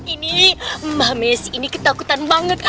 ini mbak mes si ini ketakutan banget